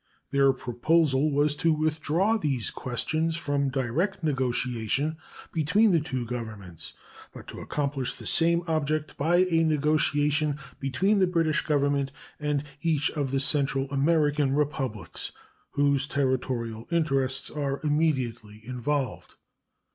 Their proposal was to withdraw these questions from direct negotiation between the two Governments, but to accomplish the same object by a negotiation between the British Government and each of the Central American Republics whose territorial interests are immediately involved.